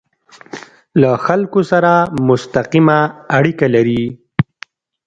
له خلکو سره مستقیمه اړیکه لري.